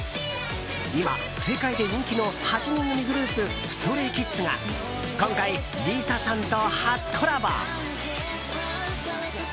今、世界で人気の８人組グループＳｔｒａｙＫｉｄｓが今回、ＬｉＳＡさんと初コラボ。